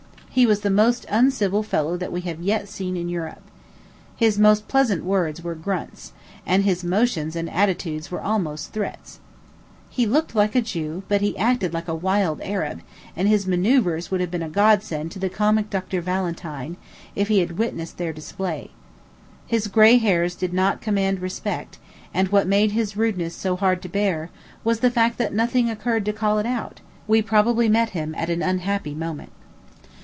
He was the most uncivil fellow that we have yet seen in Europe. His most pleasant words were grunts, and his motions and attitudes were almost threats. He looked like a Jew, but he acted like a wild Arab; and his manœuvres would have been a godsend to the comic Dr. Valentine, if he had witnessed their display. His gray hairs did not command respect; and what made his rudeness so hard to bear, was the fact that nothing occurred to call it out. We probably met him at an unhappy moment.